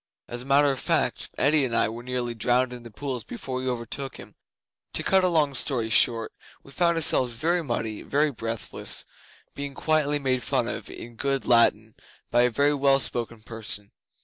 As a matter of fact, Eddi and I were nearly drowned in the pools before we overtook him. To cut a long story short, we found ourselves very muddy, very breathless, being quietly made fun of in good Latin by a very well spoken person.